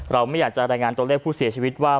ไม่อยากจะรายงานตัวเลขผู้เสียชีวิตว่า